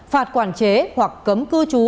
phạt quản chế hoặc cấm cư trú